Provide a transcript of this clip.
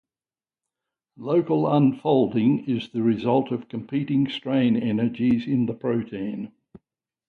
Local unfolding is the result of competing strain energies in the protein.